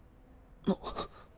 あっ。